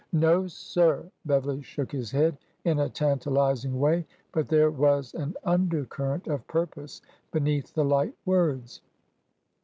" No, sir !" Beverly shook his head in a tantalizing way, but there was an undercurrent of purpose beneath the light words.